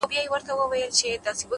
ه ستا د سترگو احترام نه دی ـ نو څه دی ـ